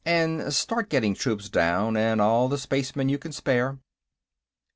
And start getting troops down, and all the spacemen you can spare."